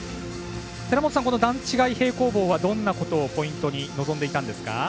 寺本さん、段違い平行棒はどんなことをポイントに臨んでいたんですか？